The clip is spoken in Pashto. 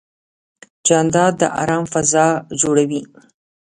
جانداد د ارام فضا جوړوي.